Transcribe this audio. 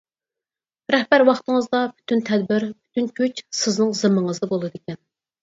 رەھبەر ۋاقتىڭىزدا پۈتۈن تەدبىر، پۈتۈن كۈچ سىزنىڭ زىممىڭىزدە بولىدىكەن.